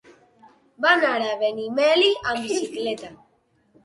Va anar a Benimeli amb bicicleta.